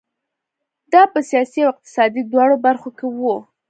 دا په سیاسي او اقتصادي دواړو برخو کې وو.